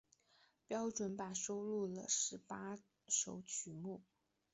标准版收录了十八首曲目。